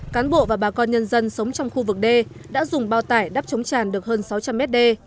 cán bộ và bà con nhân dân sống trong khu vực đê đã dùng bao tải đắp trốn tràn được hơn sáu trăm linh mét đê